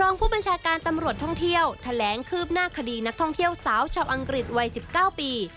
ผู้บัญชาการตำรวจท่องเที่ยวแถลงคืบหน้าคดีนักท่องเที่ยวสาวชาวอังกฤษวัย๑๙ปี